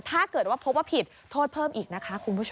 ถ้าเกิดว่าพบว่าผิดโทษเพิ่มอีกนะคะคุณผู้ชม